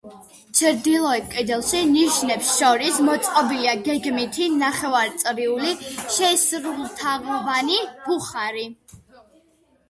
ჩრდილოეთ კედელში, ნიშებს შორის, მოწყობილია გეგმით ნახევარწრიული, შეისრულთაღოვანი ბუხარი.